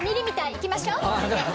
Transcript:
行きましょう！